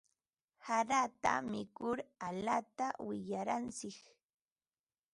Harata mikur alaapa wirayantsik.